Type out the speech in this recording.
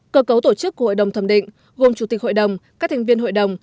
cơ cấu tổ chức của hội đồng thẩm định gồm chủ tịch hội đồng các thành viên hội đồng